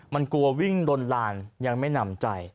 มันกลัววิ่งลนลานยังไม่หนำใจ